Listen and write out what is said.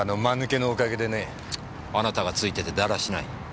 あなたがついててだらしない。